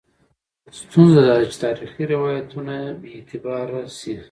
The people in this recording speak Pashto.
ستونزه دا ده چې تاریخي روایتونه بې اعتباره شي.